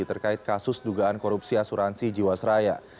terkait kasus dugaan korupsi asuransi jiwasraya